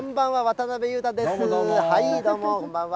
どうも、こんばんは。